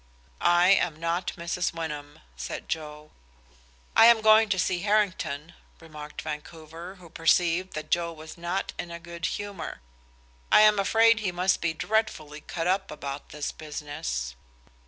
"I am not Mrs. Wyndham," said Joe. "I am going to see Harrington," remarked Vancouver, who perceived that Joe was not in a good humor. "I am afraid he must be dreadfully cut up about this business."